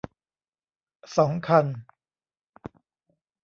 สอง คัน